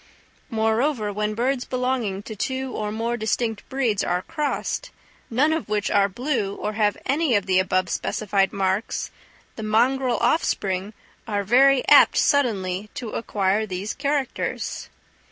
Moreover, when birds belonging to two or more distinct breeds are crossed, none of which are blue or have any of the above specified marks, the mongrel offspring are very apt suddenly to acquire these characters.